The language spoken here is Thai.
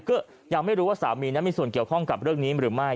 ก็ยังไม่รู้ว่าสามีนั้นมีส่วนเกี่ยวข้องกับเรื่องนี้หรือไม่